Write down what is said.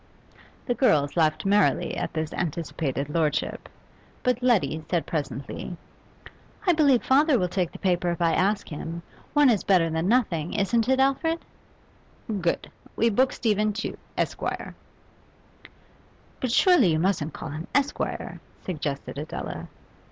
The girls laughed merrily at this anticipated lordship; but Letty said presently 'I believe father will take the paper if I ask him. One is better than nothing, isn't it, Alfred?' 'Good. We book Stephen Tew, Esquire.' 'But surely you mustn't call him Esquire?' suggested Adela.